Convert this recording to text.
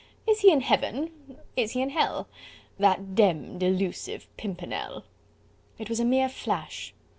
Is he in heaven, is he in hell, That demmed elusive Pimpernel?" It was a mere flash!